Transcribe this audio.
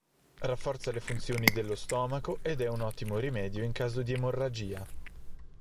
Rafforza le funzioni dello stomaco ed è un ottimo rimedio in caso di emorragia.